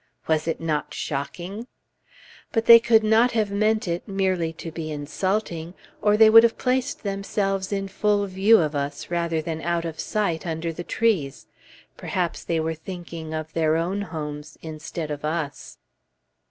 Was it not shocking? But they could not have meant it merely to be insulting or they would have placed themselves in full view of us, rather than out of sight, under the trees. Perhaps they were thinking of their own homes, instead of us.